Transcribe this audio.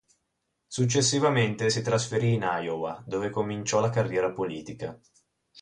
Successivamente, si trasferì in Iowa, dove cominciò la carriera politica.